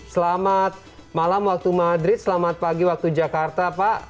selamat malam waktu madrid selamat pagi waktu jakarta pak